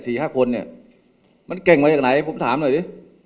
ห้าคนเนี่ยมันเก่งมาจากไหนผมถามหน่อยดิ